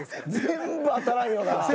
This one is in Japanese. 全部当たらんよな。